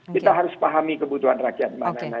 kita harus pahami kebutuhan rakyat mbak nana